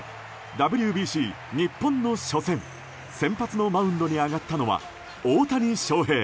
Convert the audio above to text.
ＷＢＣ、日本の初戦先発のマウンドに上がったのは大谷翔平。